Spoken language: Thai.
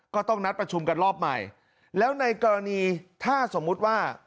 ก็ต้องนัดประชุมกันรอบใหม่แล้วในกรณีถ้าสมมุติว่า